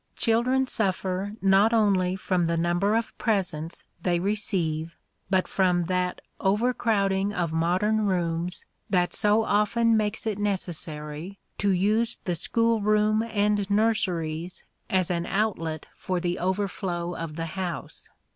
Children suffer not only from the number of presents they receive, but from that over crowding of modern rooms that so often makes it necessary to use the school room and nurseries as an outlet for the overflow of the house.